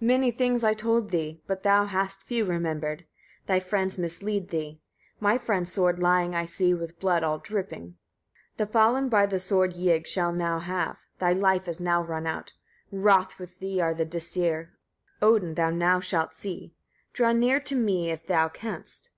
52. Many things I told thee, but thou hast few remembered: thy friends mislead thee. My friend's sword lying I see, with blood all dripping. 53. The fallen by the sword Ygg shall now have; thy life is now run out: Wroth with thee are the Dîsir: Odin thou now shalt see: draw near to me if thou canst.